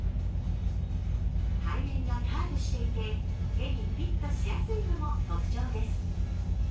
背面がカーブしていて手にフィットしやすいのも特徴です。